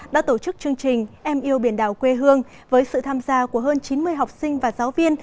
đã tổ chức chương trình em yêu biển đảo quê hương với sự tham gia của hơn chín mươi học sinh và giáo viên